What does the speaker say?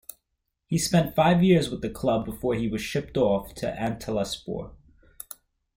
He spent five years with the club before he was shipped off to Antalyaspor.